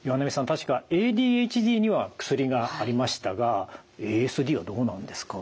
確かＡＤＨＤには薬がありましたがＡＳＤはどうなんですか？